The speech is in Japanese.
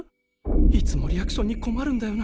いつもリアクションに困るんだよな。